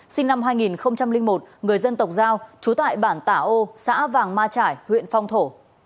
sinh năm hai nghìn một người dân tộc giao trú tại bản tả ô xã vàng ma trải huyện phong thổ